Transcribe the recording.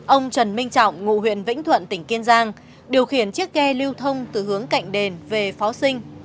ông trần minh trọng ngụ huyện vĩnh thuận tỉnh kiên giang điều khiển chiếc xe lưu thông từ hướng cạnh đền về pháo sinh